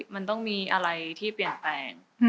มันต้องมีอะไรที่เปลี่ยนแปลง